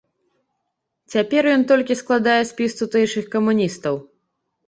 Цяпер ён толькі складае спіс тутэйшых камуністаў.